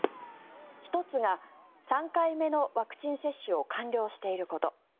１つが３回目のワクチン接種を完了していること。